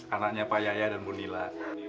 anaknya pak yaya dan bu nila